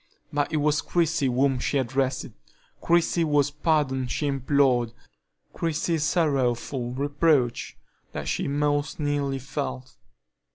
But it was Christie whom she addressed, Christie whose pardon she implored, Christie's sorrowful reproach that she most keenly felt.